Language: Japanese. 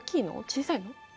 小さいの？